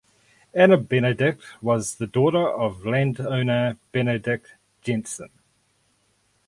Anna Benedicte was the daughter of landowner Benedict Jenssen.